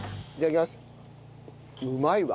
うまいわ。